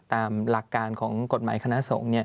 ตามหลักการของกฎหมายคณะสงฆ์